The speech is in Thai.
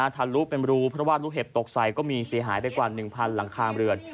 ทันลุเป็นรูเพราะว่ารูเห็บตกใส่ก็มีเสียหายได้กว่า๑๐๐๐บาทหลังข้างบริเวณ